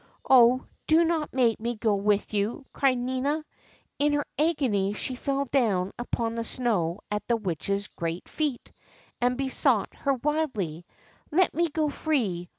Oh, do not make me go with you 1 " cried Nina. In her agony she fell down upon the snow at the Witch's great feet, and besought her wildly: Let me go free